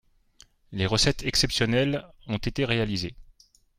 Les recettes exceptionnelles ont été réalisées